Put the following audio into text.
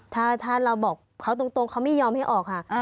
ถ้าเราบอกเขาตรงเขาไม่ยอมให้ออกค่ะ